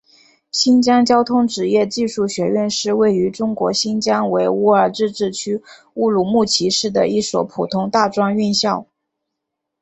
新疆交通职业技术学院是位于中国新疆维吾尔自治区乌鲁木齐市的一所普通大专院校。